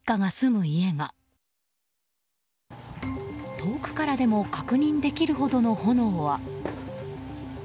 遠くからでも確認できるほどの炎は。